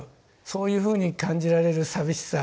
そういうふうに感じられる寂しさ